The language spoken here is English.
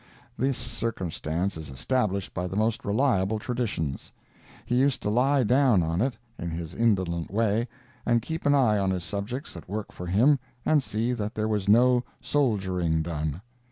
This circumstance is established by the most reliable traditions. He used to lie down on it, in his indolent way, and keep an eye on his subjects at work for him and see that there was no "soldiering" done.